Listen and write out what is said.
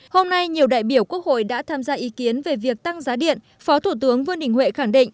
hôm nay nhiều đại biểu quốc hội đã tham gia ý kiến về việc tăng giá điện phó thủ tướng vương đình huệ khẳng định